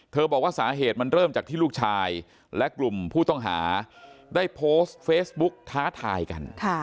บอกว่าสาเหตุมันเริ่มจากที่ลูกชายและกลุ่มผู้ต้องหาได้โพสต์เฟซบุ๊กท้าทายกัน